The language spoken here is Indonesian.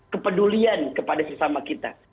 kepedulian kepada sesama kita